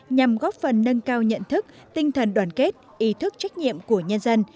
nhằm góp phần nâng cao nhận thức tinh thần đoàn kết ý thức trách nhiệm của nhân dân